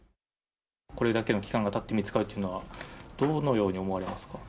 これだけの期間がたって見つかるというのは、どのように思われますか？